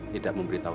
tidak mau bu